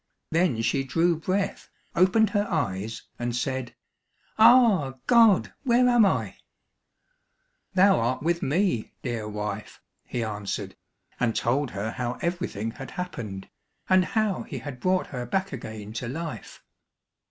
Then she drew breath, opened her eyes, and said, "Ah, God, where am I?" "Thou art with me, dear wife," he answered, and told her how everything had happened, and how he had brought her back again to life.